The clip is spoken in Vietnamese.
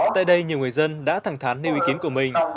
tại đây nhiều người dân đã thẳng thắn nêu ý kiến của mình